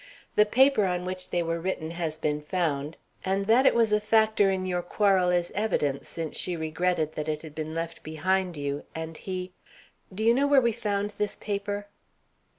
The paper on which they were written has been found, and that it was a factor in your quarrel is evident, since she regretted that it had been left behind you, and he Do you know where we found this paper?"